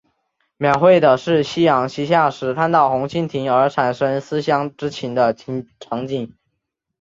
描绘的是夕阳西下时看到红蜻蜓而产生思乡之情的场景。